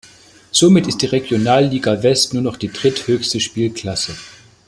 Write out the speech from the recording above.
Somit ist die Regionalliga West nur noch die dritthöchste Spielklasse.